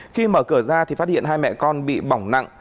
khi mở cửa ra thì phát hiện hai mẹ con bị bỏng nặng